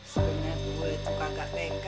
sebenernya dulu itu kakak pengka